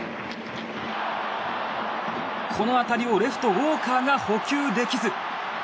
この当たりをレフト、ウォーカーが捕球できず。